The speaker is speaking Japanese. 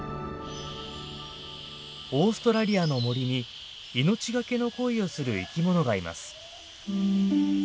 オーストラリアの森に命懸けの恋をする生きものがいます。